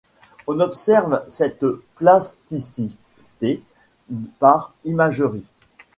On observe cette plasticité par imagerie.